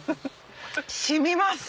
染みます！